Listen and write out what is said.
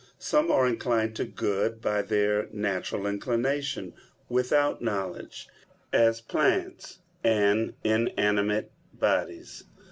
Some are inclined to good by their natural inclination, without knowledge, as plants and inanimate bodies.